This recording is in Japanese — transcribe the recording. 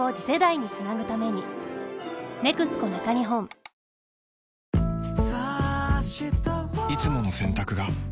「ビオレ」いつもの洗濯が